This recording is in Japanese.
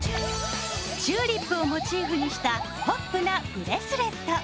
チューリップをモチーフにしたポップなブレスレット。